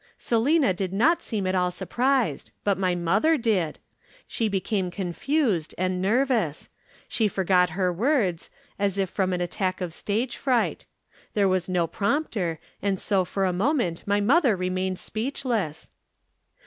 "Selina did not seem at all surprised. But my mother did. She became confused and nervous. She forgot her words, as if from an attack of stage fright. There was no prompter and so for a moment my mother remained speechless.